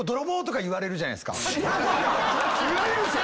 言われるんですよ！